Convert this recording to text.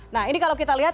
nah ini kalau kita lihat